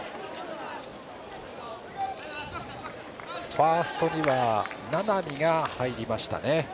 ファーストには名波が入りました。